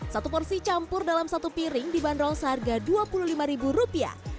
satu porsi campur dalam satu piring dibanderol seharga dua puluh lima rupiah